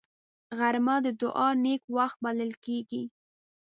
غرمه د دعاو نېک وخت بلل کېږي